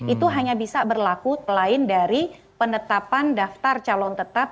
itu hanya bisa berlaku selain dari penetapan daftar calon tetap